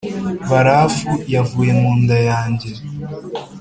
barafu yavuye mu nda ya nde’